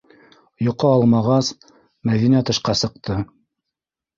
Йоҡо алмағас, Мәҙинә тышҡа сыҡты.